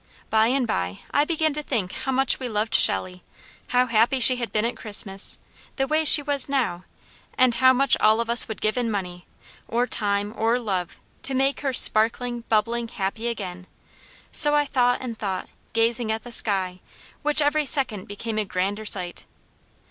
By and by I began to think how much we loved Shelley, how happy she had been at Christmas the way she was now, and how much all of us would give in money, or time, or love, to make her sparkling, bubbling, happy again; so I thought and thought, gazing at the sky, which every second became a grander sight.